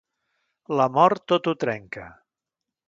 La mort tot ho trenca.